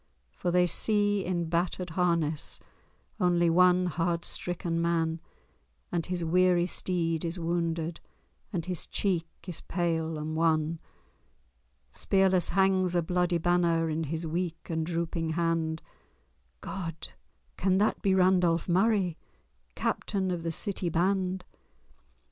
For they see in battered harness Only one hard stricken man; And his weary steed is wounded, And his cheek is pale and wan. Spearless hangs a bloody banner In his weak and drooping hand— God! can that be Randolph Murray, Captain of the city band?